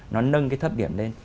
nó nâng cái thấp điểm lên